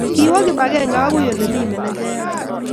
kiwo kibagenge akoi ole mi manejayat